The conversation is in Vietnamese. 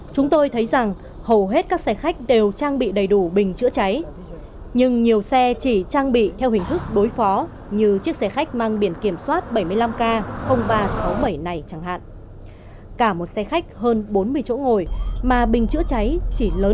chúng tôi thấy rằng hầu hết các xe khách đều có đầy đủ đầy đủ khẩu trang để thoát ra ngoài khi xe khách lên trên xe